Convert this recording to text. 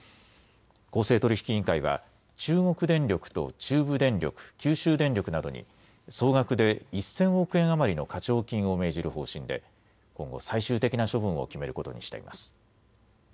公正取引委員会は中国電力と中部電力、九州電力などに総額で１０００億円余りの課徴金を命じる方針で今後、最終的な処分を決めることにしています。